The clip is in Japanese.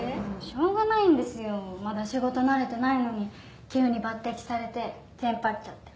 しょうがないんですよまだ仕事慣れてないのに急に抜てきされてテンパっちゃって。